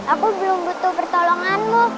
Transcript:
aku belum butuh pertolonganmu